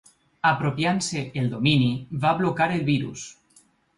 Apropiant-se el domini, va blocar el virus.